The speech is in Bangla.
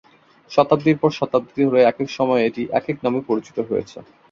শতাব্দীর পর শতাব্দী ধরে একেক সময়ে এটি একেক নামে পরিচিত হয়েছে।